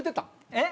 えっ？